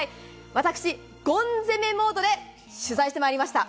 私、ゴン攻めモードで取材してまいりました。